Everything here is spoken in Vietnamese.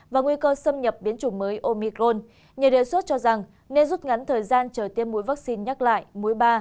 và nguy cơ xâm nhập biến chủng mới omicron nhiều đề xuất cho rằng nên rút ngắn thời gian chờ tiêm mũi vaccine nhắc lại mũi ba